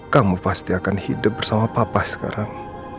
kamu pasti akan hidup bersama papa sekarang